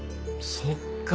そっか！